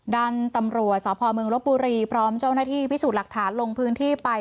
ด้านตำรวจสพเมืองลบบุรีพร้อมเจ้าหน้าที่พิสูจน์หลักฐานลงพื้นที่ไป